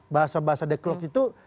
bahasa bahasa deklog itu